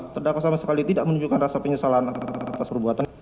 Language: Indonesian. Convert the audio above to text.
terdakwa sama sekali tidak menunjukkan rasa penyesalan atas perbuatan